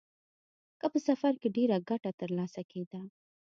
که په سفر کې ډېره ګټه ترلاسه کېده.